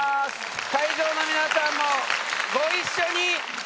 会場の皆さんもご一緒に聞かせて。